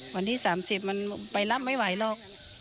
วันที่๓๐มันไปรับไม่ไหวหรอก